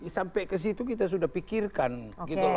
sampai ke situ kita sudah pikirkan gitu loh